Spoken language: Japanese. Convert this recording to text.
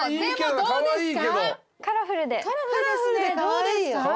どうですか？